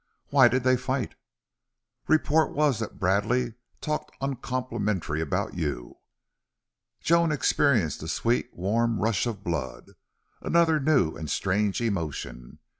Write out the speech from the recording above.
Why did they fight?" "Report was that Bradley talked oncomplementary about you." Joan experienced a sweet, warm rush of blood another new and strange emotion.